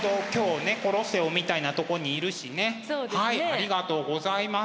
ありがとうございます。